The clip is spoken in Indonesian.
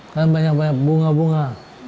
kan banyak banyak bunga bunga